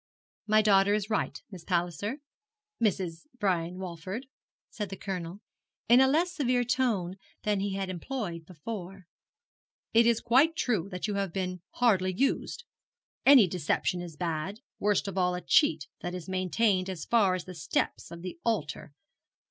'My daughter is right, Miss Palliser Mrs. Brian Walford,' said the Colonel, in a less severe tone than he had employed before. 'It is quite true that you have been hardly used. Any deception is bad, worst of all a cheat that is maintained as far as the steps of the altar.